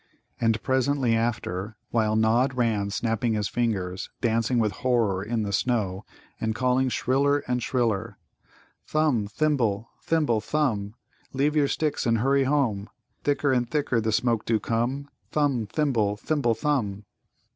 And presently after, while Nod ran snapping his fingers, dancing with horror in the snow, and calling shriller and shriller, "Thumb, Thimble; Thimble, Thumb, Leave your sticks and hurry home: Thicker and thicker the smoke do come! Thumb, Thimble; Thimble, Thumb!"